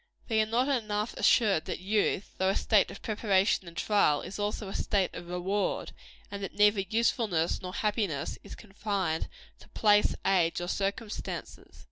They are not enough assured that youth, though a state of preparation and trial, is also a state of reward; and that neither usefulness nor happiness is confined to place, age or circumstances.